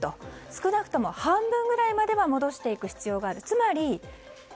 少なくとも半分くらいまでは戻していく必要がある。